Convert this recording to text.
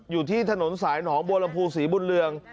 อยู่ที่ถนนสายหนองบัวลำพูศรีบุญเรือง